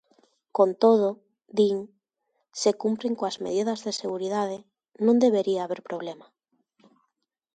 Con todo, din, se cumpren coas medidas de seguridade, non debería haber problema.